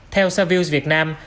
theo savills việt nam